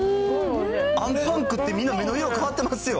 あんパン食って、みんな目の色変わってますよ。